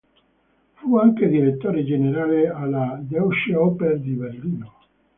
Fu anche direttore generale alla Deutsche Oper di Berlino.